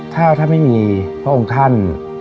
ถ้าไม่มีพระองค์ท่าน